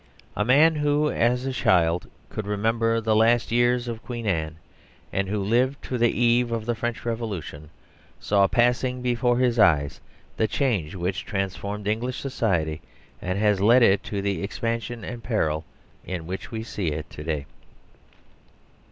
A man who, as a child, could remember the last years of Queen Anne, and who lived to the eve of the French Revolution, saw passing before his eyes the change which trans formed English society and has led it to the expan sion and peril in which we see it to day.